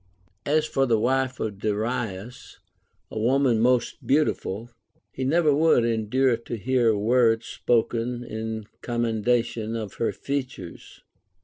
As for the wife of Darius, a woman most beautiful, he never would endure to hear a word spoken in commendation of her features.